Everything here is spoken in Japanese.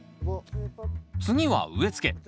次は植えつけ。